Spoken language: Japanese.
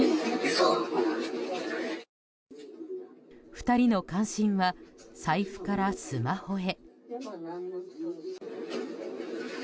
２人の関心は財布からスマホへ。